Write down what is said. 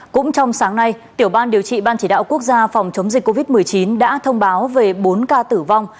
cũng trong sáng nay tiểu ban điều trị ban chỉ đạo quốc gia phòng chống dịch covid một mươi chín đã thông báo về bốn ca tử vong